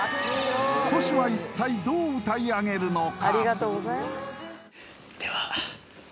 Ｔｏｓｈｌは一体どう歌い上げるのか。